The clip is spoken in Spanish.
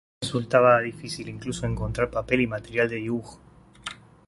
Resultaba difícil incluso encontrar papel y material de dibujo.